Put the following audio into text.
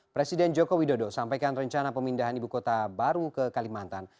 presiden joko widodo sampaikan rencana pemindahan ibu kota baru ke kalimantan